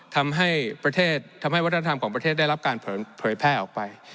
ทำให้ประเทศทำให้วัฒนธรรมของประเทศได้รับการเผยแพร่ออกไป